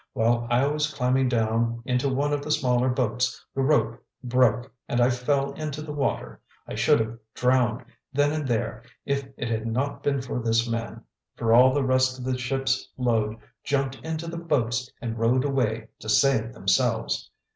While I was climbing down into one of the smaller boats, the rope broke, and I fell into the water. I should have drowned, then and there, if it had not been for this man; for all the rest of the ship's load jumped into the boats and rowed away to save themselves.